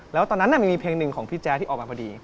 แล้วตอนนั้นมันมีเพลงหนึ่งของพี่แจ๊ที่ออกมาพอดี